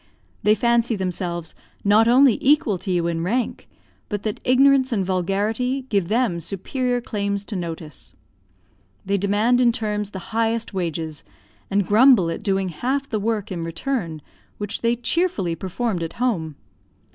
They fancy themselves not only equal to you in rank, but that ignorance and vulgarity give them superior claims to notice. They demand in terms the highest wages, and grumble at doing half the work, in return, which they cheerfully performed at home.